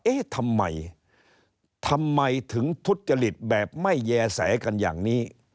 เอ๊ะทำไมทำไมถึงทุจริตแบบไม่แย่แสกันอย่างนี้